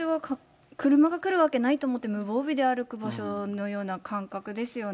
車が来ると思ってなくて、無防備で歩く場所のような感覚ですよね。